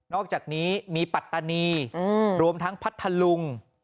อกจากนี้มีปัตตานีรวมทั้งพัทธลุง